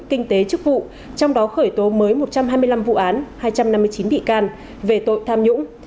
kinh tế chức vụ trong đó khởi tố mới một trăm hai mươi năm vụ án hai trăm năm mươi chín bị can về tội tham nhũng